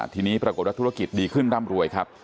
ทีนี้ปรากฏว่าธุรกิจดีขึ้นร่ำรวยครับ